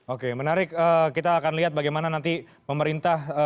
oke menarik kita akan lihat bagaimana nanti pemerintah